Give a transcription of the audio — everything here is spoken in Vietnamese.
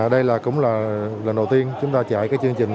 đây cũng là lần đầu tiên chúng ta chạy cái chương trình